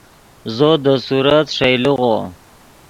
زو دے صورت ݰئیلیغّو